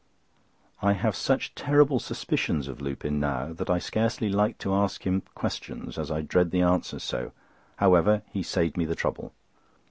I have such terrible suspicions of Lupin now that I scarcely like to ask him questions, as I dread the answers so. He, however, saved me the trouble.